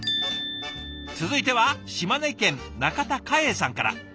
続いては島根県中田嘉英さんから。